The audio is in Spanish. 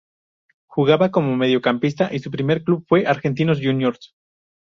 Jugaba como mediocampista y su primer club fue Argentinos Juniors.